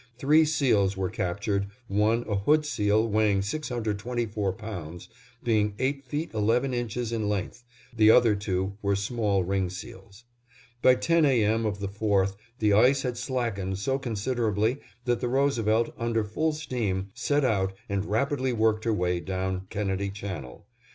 Three seals were captured, one a hood seal weighing 624 pounds, being eight feet eleven inches in length; the other two were small ring seals. By ten A. M. of the 4th, the ice had slackened so considerably that the Roosevelt, under full steam, set out and rapidly worked her way down Kennedy Channel.